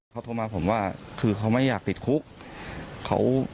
เขาโทรมาผมว่าคือเขาไม่อยากติดคุก